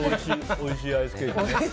おいしいアイスケーキね。